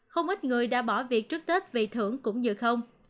không ít người đã bỏ việc trước tết vì thưởng cũng như không